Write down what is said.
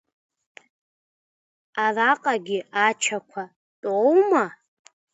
Араҟагьы ачақәа тәоума?